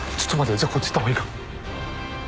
じゃあこっち行った方がいいか。